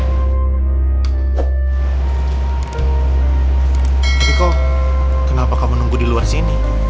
tapi kok kenapa kamu menunggu di luar sini